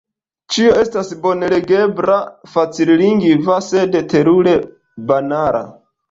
Ĉio estas bone legebla, facillingva, sed – terure banala!